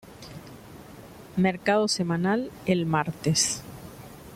Mercado semanal el martes.